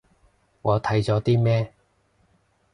我睇咗啲咩